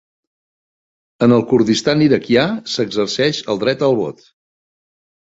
En el Kurdistan iraquià s'exerceix el dret al vot